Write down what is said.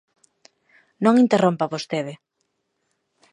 Non interrompa vostede.